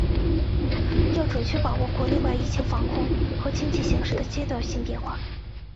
要准确把握国内外疫情防控和经济形势的阶段性变化